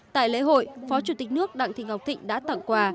tại lễ hội phó chủ tịch nước đặng thị ngọc thịnh đã tặng quà